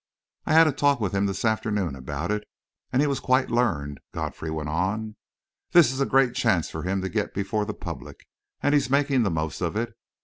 "I had a talk with him this afternoon about it, and he was quite learned," Godfrey went on. "This is a great chance for him to get before the public, and he's making the most of it.